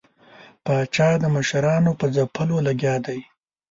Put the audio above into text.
پاچا د مشرانو په ځپلو لګیا دی.